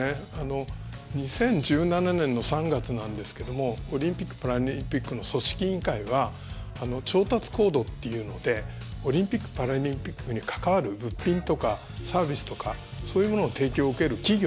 ２０１７年の３月なんですけどもオリンピック・パラリンピックの組織委員会は調達コードというのでオリンピック・パラリンピックに関わる物品とかサービスとかそういうものを提供を受ける企業